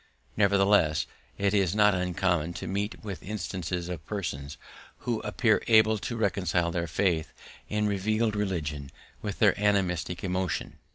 Nevertheless it is not uncommon to meet with instances of persons who appear able to reconcile their faith in revealed religion with their animistic emotion.